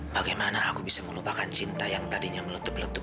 bagaimana aku bisa melupakan cinta yang tadinya meletup letup